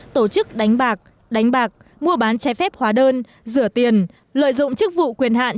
tổ chức đánh bạc đánh bạc mua bán trái phép hóa đơn rửa tiền lợi dụng chức vụ quyền hạn